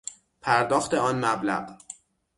پرداخت آن مبلغ